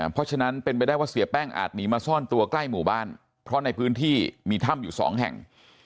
เพราะฉะนั้นเป็นไปได้ว่าเสียแป้งอาจหนีมาซ่อนตัวใกล้หมู่บ้านเพราะในพื้นที่มีถ้ำอยู่สองแห่ง